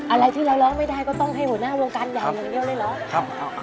อะไรที่เราร้องไม่ได้ก็ต้องให้หัวหน้าวงการใหญ่อย่างเดียวเลยเหรอ